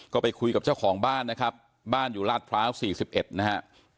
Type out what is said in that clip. ก็ไปคุยกับเจ้าของบ้านนะครับบ้านอยู่ลาดพร้าว๔๑นะฮะ